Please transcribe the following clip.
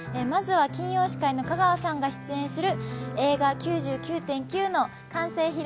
まずは金曜司会の香川さんが出演する映画「９９．９」の完成披露